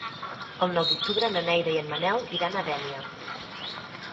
El nou d'octubre na Neida i en Manel iran a Dénia.